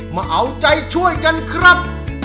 มาเอาใจช่วยกันครับ